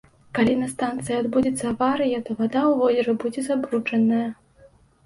Калі на станцыі адбудзецца аварыя, то вада ў возеры будзе забруджаная.